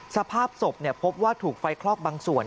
สภาพศพพบว่าถูกไฟคลอกบางส่วน